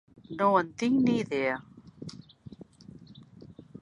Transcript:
No en tinc ni dea.